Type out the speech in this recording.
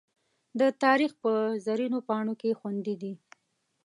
د تاریخ په زرینو پاڼو کې خوندي دي.